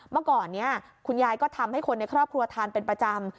เมื่อก่อนนี้คุณยายก็ทำให้คนในครอบครัวทานเป็นประจำ